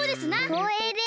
こうえいです。